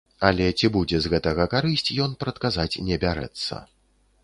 Але ці будзе з гэтага карысць, ён прадказаць не бярэцца.